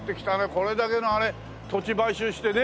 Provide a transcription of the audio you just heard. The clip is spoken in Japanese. これだけの土地買収してね。